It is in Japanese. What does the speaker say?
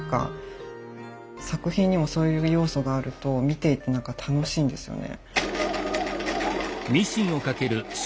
作品にもそういう要素があると見ていて何か楽しいんですよね。